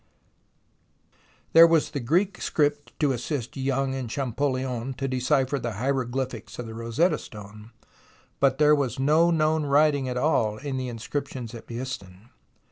There was the Greek script to assist Young and Champollion to decipher the hieroglyphics of the Rosetta Stone, but there was no known writing at all in the inscriptions at Behistun.